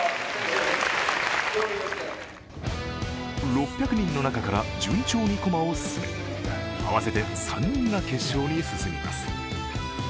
６００人の中から順調に駒を進め合わせて３人が決勝に進みます。